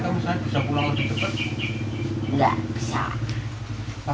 kami juga mencari jalan untuk mencari jalan